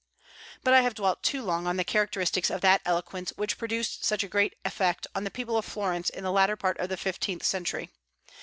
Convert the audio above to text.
But I have dwelt too long on the characteristics of that eloquence which produced such a great effect on the people of Florence in the latter part of the fifteenth century.